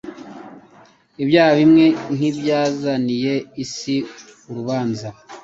Ibyaha bimwe nk’ibyazaniye isi urubanza